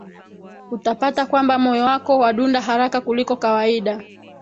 utapata kwamba moyo wako wadunda haraka kuliko kawaida